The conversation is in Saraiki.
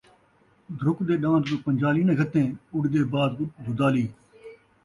دھرکدے ݙان٘د کوں پن٘جالی ناں گھتیں ، اُݙدے باز کوں دُدالی